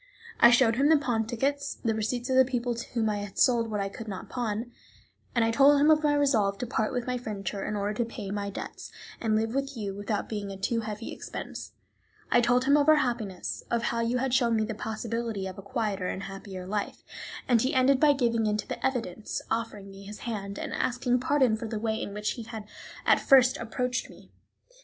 I showed him the pawn tickets, the receipts of the people to whom I had sold what I could not pawn; I told him of my resolve to part with my furniture in order to pay my debts, and live with you without being a too heavy expense. I told him of our happiness, of how you had shown me the possibility of a quieter and happier life, and he ended by giving in to the evidence, offering me his hand, and asking pardon for the way in which he had at first approached me.